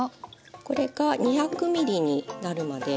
これが２００ミリになるまで。